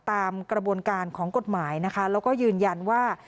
ตามกระบวนการของกฎหมายนะคะแล้วก็ยืนยันว่า